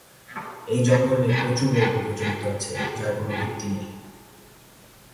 এই জঙ্গল নিয়ে প্রচুর গল্প প্রচলিত আছে যার কোন ভিত্তি নেই।